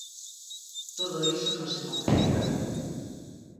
Todo iso non se concreta.